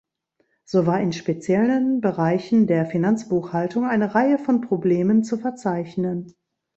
So war in speziellen Bereichen der Finanzbuchhaltung eine Reihe von Problemen zu verzeichnen.